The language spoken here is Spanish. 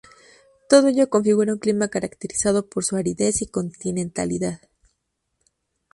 Todo ello configura un clima caracterizado por su aridez y continentalidad.